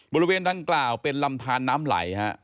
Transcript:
บริเวณดังกล่าวเป็นลำทานน้ำไหล